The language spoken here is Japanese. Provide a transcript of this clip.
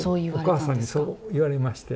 お母さんにそう言われまして。